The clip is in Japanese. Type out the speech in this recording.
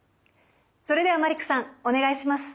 それではマリックさんお願いします。